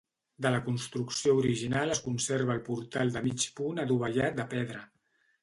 De la construcció original es conserva el portal de mig punt adovellat de pedra.